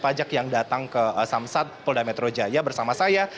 pajak yang datang ke samsat polda metro jaya bersama saya